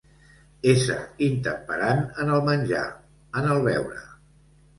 Ésser intemperant en el menjar, en el beure.